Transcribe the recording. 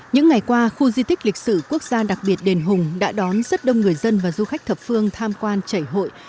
những ngày qua khu di tích lịch sử quốc gia đặc biệt đền hùng đã đón rất đông người dân và du khách thập phương tham quan chảy hội